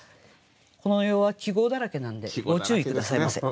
この世は季語だらけなんでご注意下さいませ。